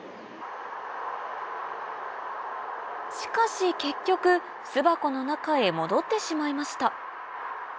しかし結局巣箱の中へ戻ってしまいました